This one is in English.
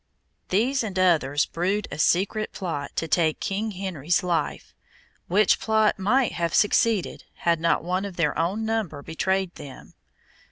These and others brewed a secret plot to take King Henry's life, which plot might have succeeded had not one of their own number betrayed them.